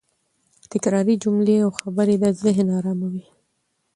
تکراري جملې او خبرې د ذهن اراموي.